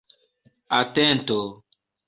atento